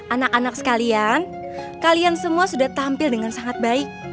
anak anak sekalian kalian semua sudah tampil dengan sangat baik